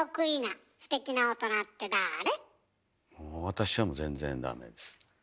私はもう全然ダメです。